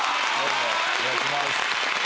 お願いします。